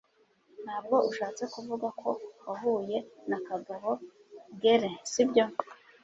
Ntabwo ushatse kuvuga ko wahuye na Kagabo Gere, sibyo?